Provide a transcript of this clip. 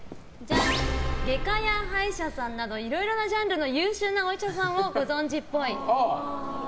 外科や歯医者さんなどいろいろなジャンルの優秀なお医者さんをご存じっぽい。